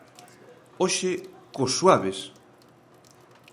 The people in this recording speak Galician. Hoxe, cos Suaves!